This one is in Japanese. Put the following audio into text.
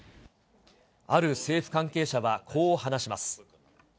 ある政府関係者はこう話します。